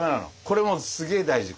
これもうすげえ大事。